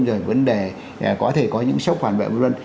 rồi vấn đề có thể có những sốc phản bệnh